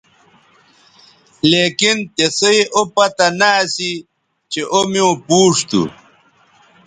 لیکن تسئ او پتہ نہ اسی چہء او میوں پوچ تھو